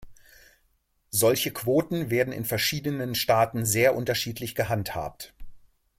Solche Quoten werden in verschiedenen Staaten sehr unterschiedlich gehandhabt.